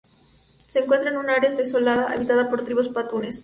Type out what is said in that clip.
Se encuentra en un área desolada, habitada por tribus pastunes.